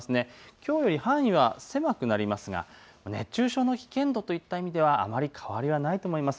きょうより範囲は狭くなりますが熱中症の危険度といった意味ではあまり変わりはないと思います。